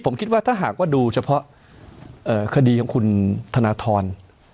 ผมคิดว่าถ้าหากว่าดูเฉพาะคดีของคุณธนทร